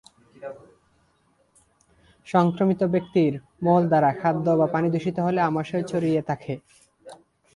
সংক্রমিত ব্যক্তির মল দ্বারা খাদ্য বা পানি দূষিত হলে আমাশয় ছড়িয়ে থাকে।